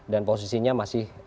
dan posisinya masih